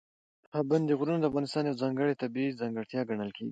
پابندي غرونه د افغانستان یوه ځانګړې طبیعي ځانګړتیا ګڼل کېږي.